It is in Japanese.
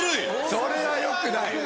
それはよくない。